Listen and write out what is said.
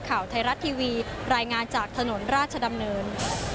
ข่าวไทยรัฐทีวีรายงานจากถนนราชดำเนิน